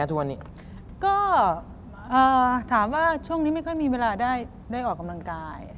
อ๋อถามว่าช่วงนี้ไม่ค่อยมีเวลาได้ได้ออกกำลังกาย